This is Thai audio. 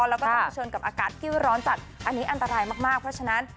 แล้วก็ต้องเผชิญกับอากาศที่ร้อนจัดอันนี้อันตรายมากเพราะฉะนั้น